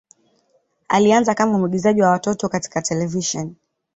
Alianza kama mwigizaji wa watoto katika televisheni.